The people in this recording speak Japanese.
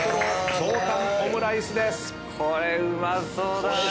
これうまそうだねぇ。